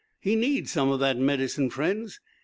He needs some of that medicine, friends.